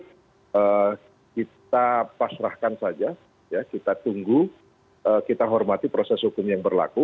jadi kita pasrahkan saja kita tunggu kita hormati proses hukum yang berlaku